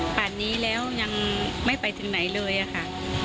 ป่านนี้แล้วยังไม่ไปถึงไหนเลยอะค่ะ